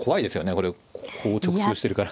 これこう直通してるから。